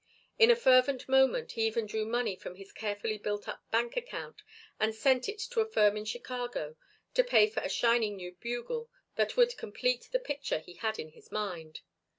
In a fervent moment he even drew money from his carefully built up bank account and sent it to a firm in Chicago to pay for a shining new bugle that would complete the picture he had in his mind.